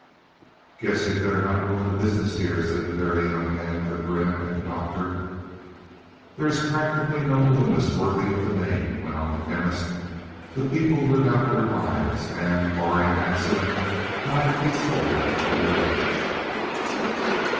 "Guess you better not go into business here," said the Very Young Man with a grin at the Doctor. "There is practically no illness worthy of the name," went on the Chemist. "The people live out their lives and, barring accident, die peacefully of old age."